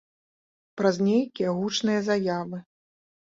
Праз нейкія гучныя заявы.